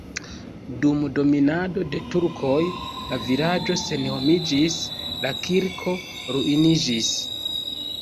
Dum dominado de turkoj la vilaĝo senhomiĝis, la kirko ruiniĝis.